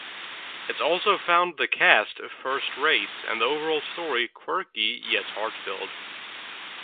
It also found the cast "first-rate" and the overall story "quirky, yet heart filled".